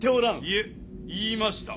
いえ言いました。